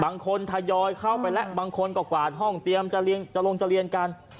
ทยอยเข้าไปแล้วบางคนก็กวาดห้องเตรียมจะลงจะเรียนกัน